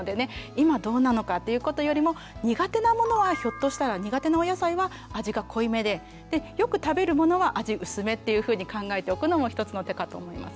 今どうなのかということよりも苦手なものはひょっとしたら苦手なお野菜は味が濃いめででよく食べるものは味薄めというふうに考えておくのも一つの手かと思います。